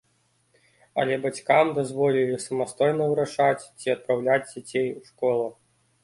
Але бацькам дазволілі самастойна вырашаць, ці адпраўляць дзяцей у школу.